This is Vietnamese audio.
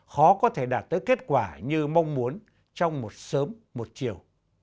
khó có thể đạt tới kết quả như mong muốn trong một sớm một chiều